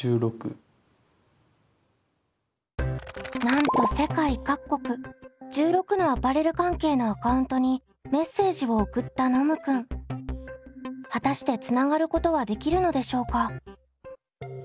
なんと世界各国１６のアパレル関係のアカウントにメッセージを送ったノムくん。果たしてつながることはできるのでしょうか？